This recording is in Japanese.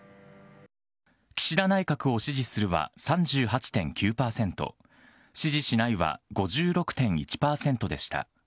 岸田内閣を支持するは３８．９％、支持しないは５６．１％でした。